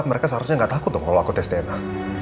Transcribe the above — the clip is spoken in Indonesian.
mereka seharusnya gak takut tuh kalau aku tes dna